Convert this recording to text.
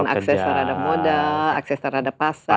akses terhadap modal akses terhadap pasar